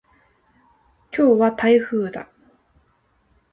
今日は台風だ。